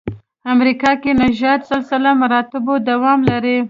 امریکا کې نژادي سلسله مراتبو دوام لري.